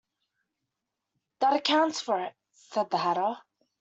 That accounts for it,’ said the Hatter.